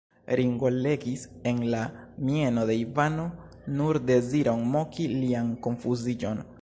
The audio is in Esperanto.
Ringo legis en la mieno de Ivano nur deziron moki lian konfuziĝon.